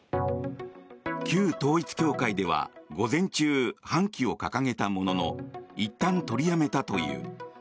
旧統一教会では午前中、半旗を掲げたもののいったん取りやめたという。